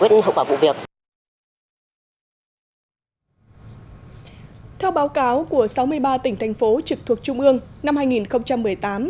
theo báo cáo của sáu mươi ba tỉnh thành phố trực thuộc trung ương năm hai nghìn một mươi tám